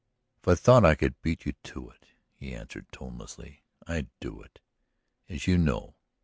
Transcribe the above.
"If I thought I could beat you to it," he answered tonelessly, "I'd do it. As you know.